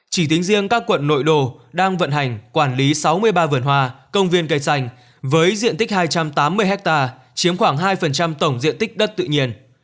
chỉ tính riêng các quận nội đồ đang vận hành quản lý sáu mươi ba vườn hoa công viên cây xanh với diện tích hai trăm tám mươi ha chiếm khoảng hai tổng diện tích đất tự nhiên